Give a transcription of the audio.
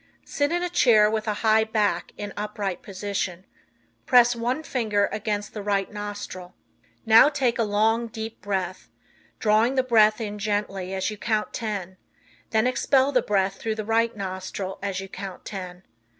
Sit in a chair with a high back in upright position. Press one finger against the right nostril. Now take a long, deep breath, drawing the breath in gently as you count ten; then expel the breath through the right nostril as you count ten.